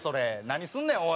何すんねんおい。